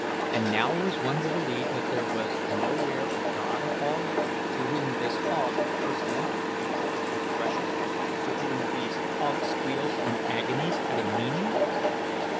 And now was one to believe that there was nowhere a god of hogs, to whom this hog personality was precious, to whom these hog squeals and agonies had a meaning?